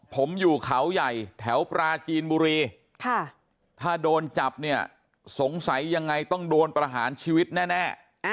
ผมอยู่เขาใหญ่แถวปราจีนบุรีถ้าโดนจับเนี่ยสงสัยยังไงต้องโดนประหารชีวิตแน่